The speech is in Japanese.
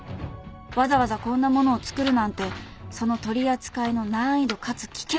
［わざわざこんなものを作るなんてその取り扱いの難易度かつ危険度の高さがうかがえる］